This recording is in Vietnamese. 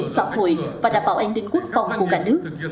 xã hội và đảm bảo an ninh quốc phòng của cả nước